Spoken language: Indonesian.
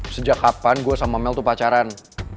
sejak kapan gue sama mel tuh pacaran